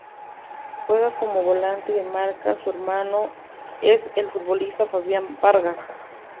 Juega como Volante de marca, su hermano es el futbolista Fabián Vargas.